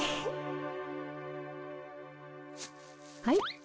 はい。